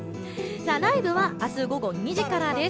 ライブはあす午後２時からです。